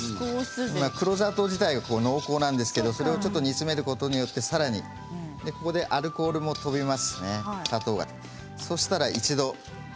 黒砂糖自体が濃厚なんですがそれを煮詰めることによってさらにここでアルコールも飛びますね。